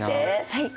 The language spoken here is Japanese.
はい！